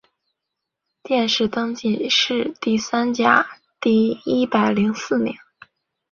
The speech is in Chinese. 殿试登进士第三甲第一百零四名。